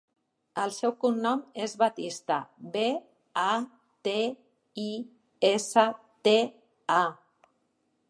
El seu cognom és Batista: be, a, te, i, essa, te, a.